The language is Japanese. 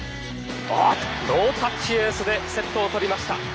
ノータッチエースでセットを取りました。